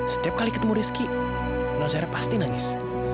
setiap kali ketemu rizky nozer pasti nangis